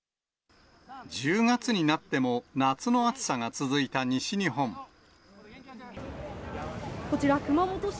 １０月になっても夏の暑さがこちら、熊本市。